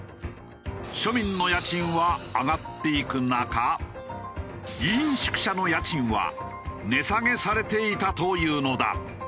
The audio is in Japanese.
庶民の家賃は上がっていく中議員宿舎の家賃は値下げされていたというのだ。